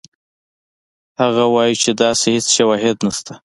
هغه وایي چې داسې هېڅ شواهد نشته.